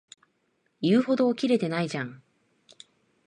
言うほどキレてないじゃん